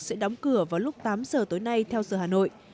sẽ đóng cửa vào lúc tám giờ tối nay theo giờ hà nội